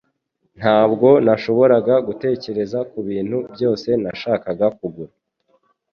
Ntabwo nashoboraga gutekereza kubintu byose nashakaga kugura